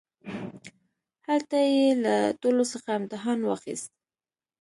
هلته يې له ټولوڅخه امتحان واخيست.